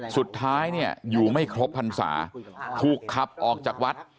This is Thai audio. สุดท้ายเนี่ยอยู่ไม่ครบพรรษาถูกขับออกจากวัด